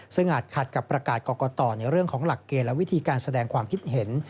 ซึ่งอาจขัดกับประกาศกรกตในเรื่องของหลักเกณฑ์และวิธีการแสดงความคิดเห็น